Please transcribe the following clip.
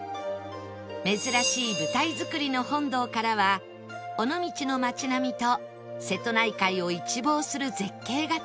珍しい舞台造の本堂からは尾道の街並みと瀬戸内海を一望する絶景が楽しめます